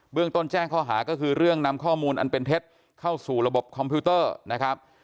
เรื่องต้นแจ้งข้อหาก็คือเรื่องนำข้อมูลอันเป็นเท็จเข้าสู่ระบบคอมพิวเตอร์นะครับ